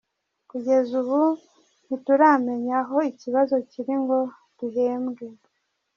Kugeza ubu ntituramenya aho ikibazo kiri ngo duhembwe”.